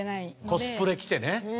コスプレ着てね。